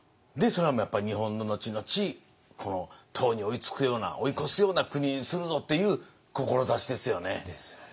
それはやっぱり日本の後々唐に追いつくような追い越すような国にするぞっていう志ですよね。ですよね。